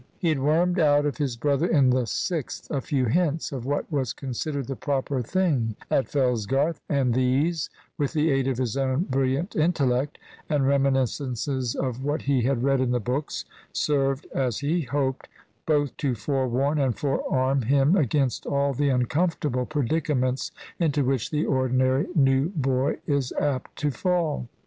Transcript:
He had wormed out of his brother in the Sixth a few hints of what was considered the proper thing at Fellsgarth, and these, with the aid of his own brilliant intellect and reminiscences of what he had read in the books, served, as he hoped, both to forewarn and forearm him against all the uncomfortable predicaments into which the ordinary new boy is apt to fall.